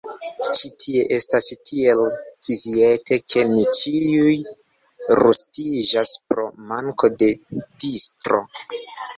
Ĉi tie estas tiel kviete ke ni ĉiuj rustiĝas pro manko de distro.